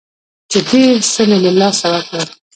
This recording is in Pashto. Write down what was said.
چې ډېر څه مې له لاسه ورکړل.